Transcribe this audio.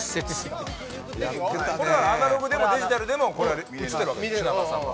これはアナログでもデジタルでも映ってるわけです品川さんが。